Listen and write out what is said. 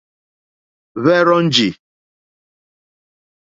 Hwɛ́ rzɔ́njì.